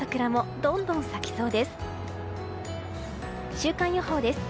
週間予報です。